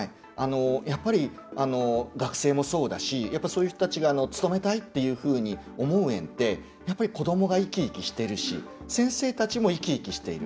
やっぱり学生もそうだしそういう人たちが勤めたいっていうふうに思う園って子どもが生き生きしているし先生たちも生き生きしている。